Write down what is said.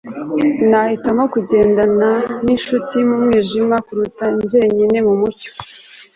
nahitamo kugendana ninshuti mu mwijima, kuruta njyenyine mumucyo